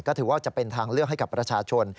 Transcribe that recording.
ก็ถือว่าจะเป็นทางเลือกให้กับประชาชน